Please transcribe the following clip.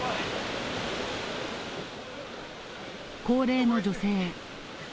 高齢の女性。